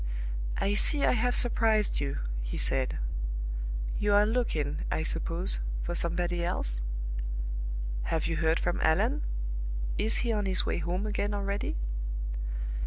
"I see I have surprised you," he said. "You are looking, I suppose, for somebody else? Have you heard from Allan? Is he on his way home again already?"